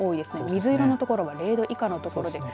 水色の所は０度以下です。